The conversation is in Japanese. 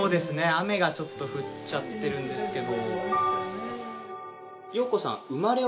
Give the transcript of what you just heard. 雨がちょっと降っちゃってるんですけど。